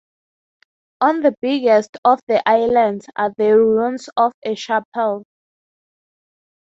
On the biggest of the islands are the ruins of a chapel.